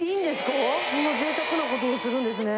こんなぜいたくなことをするんですね。